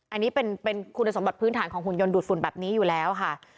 อันนี้เป็นคุณสมบัติพื้นฐานของหุ่นยนต์ดูดฝุ่นแบบนี้อยู่แล้วค่ะ